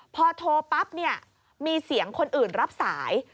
พอโทรปั๊บเนี่ยมีเสียงคนอื่นรับสาย